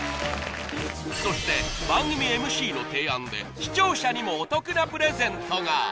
そして番組ＭＣの提案で視聴者にもお得なプレゼントが！